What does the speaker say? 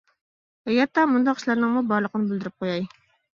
ھاياتتا مۇنداق ئىشلارنىڭمۇ بارلىقىنى بىلدۈرۈپ قوياي.